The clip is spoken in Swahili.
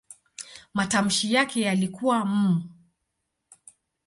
Matamshi yake yalikuwa "m".